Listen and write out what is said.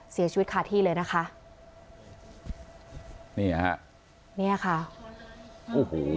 เสียชีวิตคาที่เลยนะคะนี่ฮะเนี่ยค่ะโอ้โห